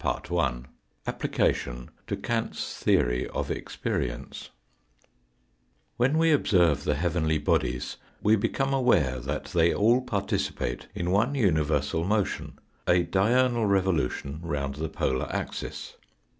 CHAPTER IX APPLICATION TO KANT'S THEORY OP EXPERIENCE WHEN we observe the heavenly bodies we become aware that they all participate in one universal motion a diurnal revolution round the polar axis.